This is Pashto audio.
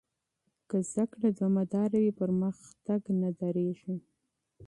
که زده کړه دوامداره وي، پرمختګ نه درېږي.